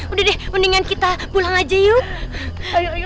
udah deh mendingan kita pulang aja yuk